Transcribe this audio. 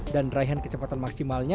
dan raihan kecepatan maksimalnya